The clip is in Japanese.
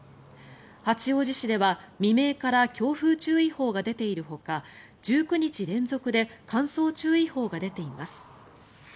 八王子市では未明から強風注意報が出ているほか１９日連続で乾燥注意報が出ています。